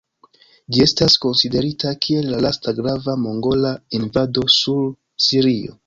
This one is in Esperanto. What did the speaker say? Ĝi estas konsiderita kiel la lasta grava mongola invado sur Sirio.